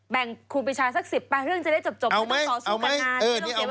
แบ่งครูปิชาสัก๑๐ล้านเรื่องจะได้จบ